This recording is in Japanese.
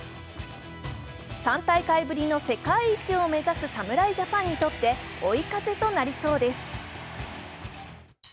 ３大会ぶりの世界一を目指す侍ジャパンにとって追い風となりそうです。